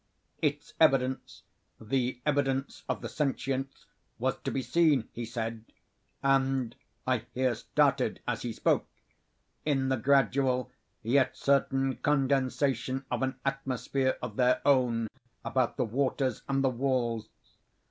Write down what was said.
Its evidence—the evidence of the sentience—was to be seen, he said, (and I here started as he spoke,) in the gradual yet certain condensation of an atmosphere of their own about the waters and the walls.